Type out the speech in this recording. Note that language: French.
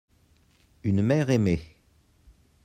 une mère aimée.